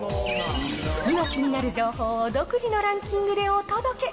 今、気になる情報を独自のランキングでお届け。